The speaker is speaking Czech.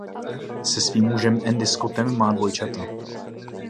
Se svým mužem Andy Scottem má dvojčata.